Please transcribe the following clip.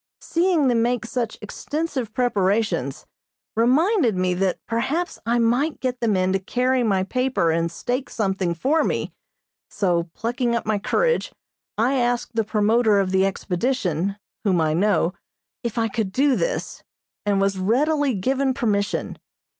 Seeing them make such extensive preparations reminded me that perhaps I might get the men to carry my paper and stake something for me, so, plucking up my courage, I asked the promoter of the expedition, whom I know, if I could do this, and was readily given permission.